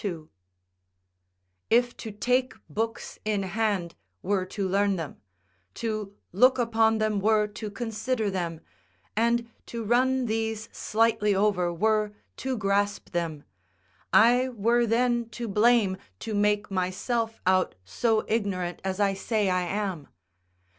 2.] If to take books in hand were to learn them: to look upon them were to consider them: and to run these slightly over were to grasp them, I were then to blame to make myself out so ignorant as I say I am.